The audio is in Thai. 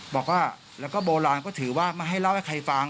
บอกว่าแล้วก็โบราณก็ถือว่าไม่ให้เล่าให้ใครฟัง